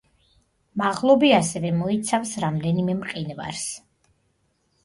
მაღლობი ასევე მოიცავს რამდენიმე მყინვარს.